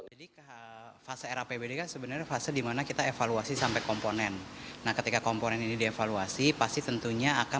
idris menanggung dinas pendidikan dki kepala pembangunan kepala pembangunan dan kepala pembangunan